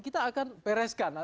kita akan bereskan